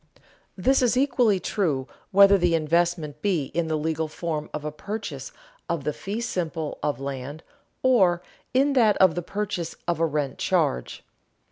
This is equally true whether the investment be in the legal form of a purchase of the fee simple of land, or in that of the purchase of a rent charge.